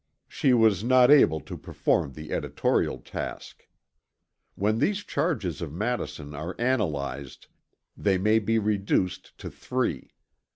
She was not able to perform the editorial task. When these charges of Madison are analyzed they may be reduced to three.